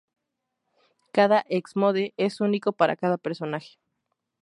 Cada ""Ex Mode"" es único para cada personaje.